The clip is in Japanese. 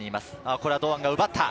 これは堂安が奪った。